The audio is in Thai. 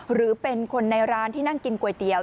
หรือเป็นคนในร้านที่นั่งกินก๋วยเตี๋ย